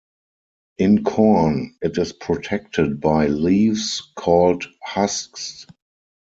In corn, it is protected by leaves called husks.